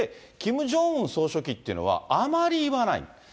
キム・ジョンウン総書記というのは、あまり言わない。